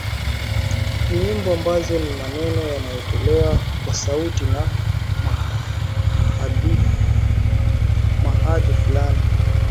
ni nyimbo ambazo ni maneno yanayotolewa kwa sauti na mahadhi fulani